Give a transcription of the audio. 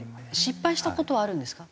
失敗した事はあるんですか？